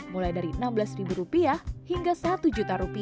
mulai dari rp enam belas hingga rp satu